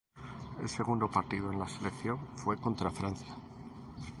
Su segundo partido en la selección fue contra Francia.